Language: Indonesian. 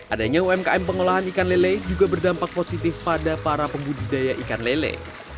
adanya umkm pengolahan ikan lele juga berdampak positif pada para pembudidaya ikan lele